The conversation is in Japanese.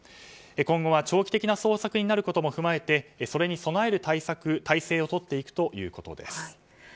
今後は長期的な捜索になることも踏まえてそれに備える態勢をとっていくということです。